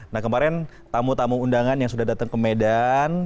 nah kemarin tamu tamu undangan yang sudah datang ke medan